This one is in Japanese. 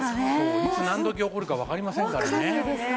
いつ何時起こるかわかりませんからね。